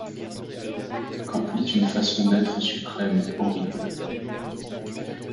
Qu’emplit une façon d’Être Suprême horrible ;